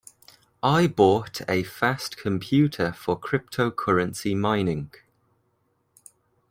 I bought a fast computer for cryptocurrency mining.